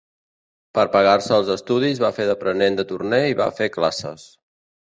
Per pagar-se els estudis va fer d'aprenent de torner i va fer classes.